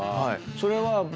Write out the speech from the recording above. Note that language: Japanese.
それは。